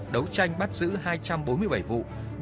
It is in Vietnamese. đấu tranh bắt giữ hai trăm bốn mươi bảy vụ